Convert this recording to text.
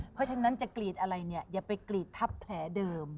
เพราะฉะนั้นจะกรีดอะไรเนี่ยอย่าไปกรีดทับแผลเดิม